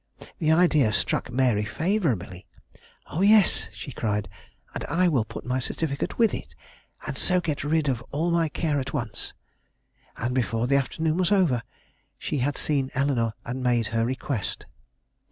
The idea struck Mary favorably. "O yes," she cried; "and I will put my certificate with it, and so get rid of all my care at once." And before the afternoon was over, she had seen Eleanore and made her request.